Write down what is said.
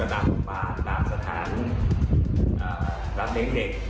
ตามทุกบาทตามสถานรับเน้นเด็ก